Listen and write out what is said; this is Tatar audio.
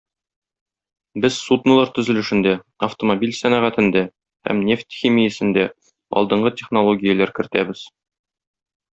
Без суднолар төзелешендә, автомобиль сәнәгатендә һәм нефть химиясендә алдынгы технологияләр кертәбез.